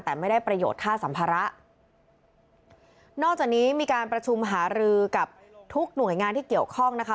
แต่ไม่ได้ประโยชน์ค่าสัมภาระนอกจากนี้มีการประชุมหารือกับทุกหน่วยงานที่เกี่ยวข้องนะคะ